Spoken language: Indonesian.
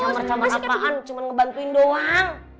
camar camar apaan cuma ngebantuin doang